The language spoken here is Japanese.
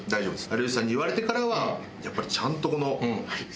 有吉さんに言われてからはやっぱりちゃんとこの。